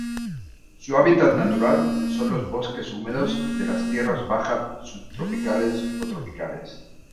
Su hábitat natural son los bosques húmedos de las tierras bajas subtropicales o tropicales.